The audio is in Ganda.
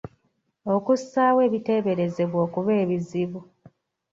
Okussaawo ebiteeberezebwa okuba ebizibu.